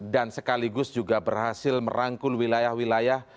dan sekaligus juga berhasil merangkul wilayah wilayah